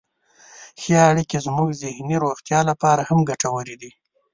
ښې اړیکې زموږ ذهني روغتیا لپاره هم ګټورې دي.